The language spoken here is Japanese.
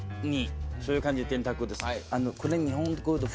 そういう感じで電卓です。